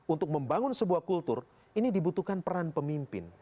untuk membangun sebuah kultur ini dibutuhkan peran pemimpin